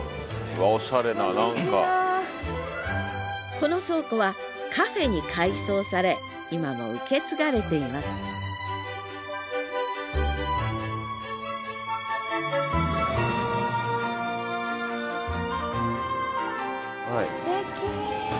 この倉庫はカフェに改装され今も受け継がれていますステキ。